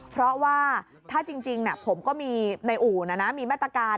เพราะว่าถ้าจริงผมก็มีในอู่นะนะมีมาตรการ